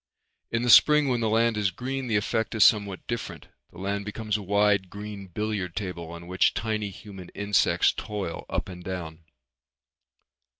In the spring when the land is green the effect is somewhat different. The land becomes a wide green billiard table on which tiny human insects toil up and down.